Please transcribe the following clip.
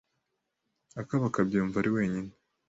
Akabakabye yumva ari wenyine